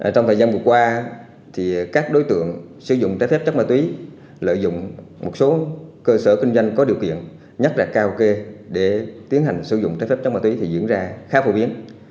trong thời gian vừa qua các đối tượng sử dụng trái phép chất ma túy lợi dụng một số cơ sở kinh doanh có điều kiện nhất là kaoke để tiến hành sử dụng trái phép chất ma túy thì diễn ra khá phổ biến